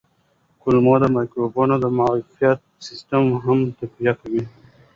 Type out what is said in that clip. د کولمو مایکروبیوم د معافیت سیستم هم تقویه کوي.